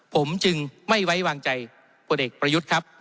ผมจึงไม่ไว้วางใจพลเอกประยุทธ์ครับ